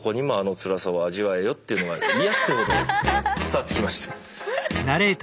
伝わってきました。